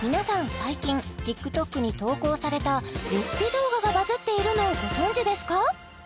最近ＴｉｋＴｏｋに投稿されたレシピ動画がバズっているのをご存じですか？